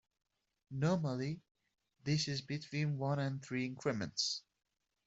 Normally this is between one and three increments.